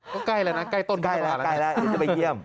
ก็ใกล้แล้วนะใกล้ต้นกันกว่าแล้วนะครับอยากจะไปเยี่ยม